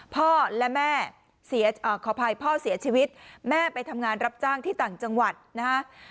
พ่อและแม่ขออภัยพ่อเสียชีวิตแม่ไปทำงานรับจ้างที่ต่างจังหวัดนะฮะ